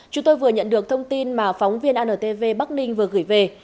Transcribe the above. chúng tôi vừa nhận được thông tin mà phóng viên antv bắc ninh vừa gửi về